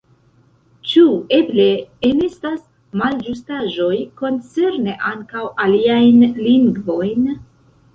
Ĉu eble enestas malĝustaĵoj koncerne ankaŭ aliajn lingvojn?